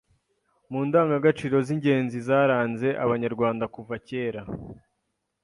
mu ndangaciro z’ingenzi zaranze Abanyarwanda kuva kera.